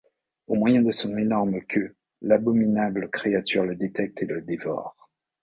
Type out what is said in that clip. Au moyen de son énorme queue, l'abominable créature le détecte et le dévore.